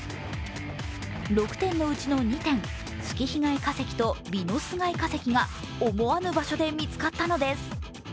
６点のうちの２点、ツキヒガイ化石とビノスガイ化石が思わぬ場所で見つかったのです。